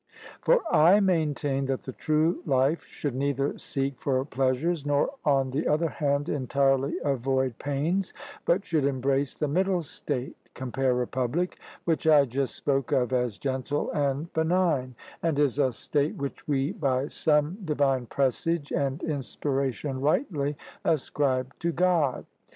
For I maintain that the true life should neither seek for pleasures, nor, on the other hand, entirely avoid pains, but should embrace the middle state (compare Republic), which I just spoke of as gentle and benign, and is a state which we by some divine presage and inspiration rightly ascribe to God.